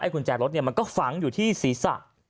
ไอ้กุญแจรถเนี่ยมันก็ฝังอยู่ที่ศีรษะ